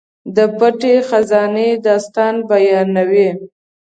د پټې خزانې داستان بیانوي.